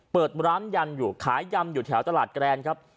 เปิดร้านยำอยู่ขายยำอยู่แถวตลาดแกรนครับ